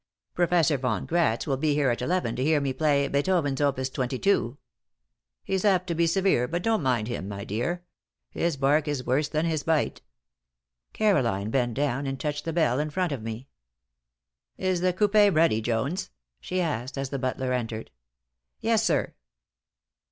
Professor Von Gratz will be here at eleven to hear me play Beethoven's Opus 22. He's apt to be severe, but don't mind him, my dear. His bark is worse than his bite." Caroline bent down and touched the bell in front of me. "Is the coupé ready, Jones?" she asked, as the butler entered. "Yes, sir."